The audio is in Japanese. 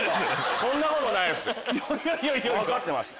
そんなことないです